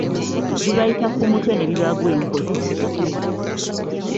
Bibayita ku mutwe ne bibagwa enkoto.